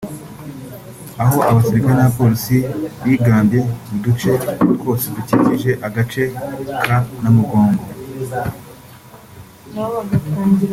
aho abasirikari n’abapolisi bigabye mu duce twose dukikije agace ka Namugongo